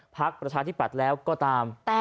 พักประชาธิปัดแล้วก็ตาม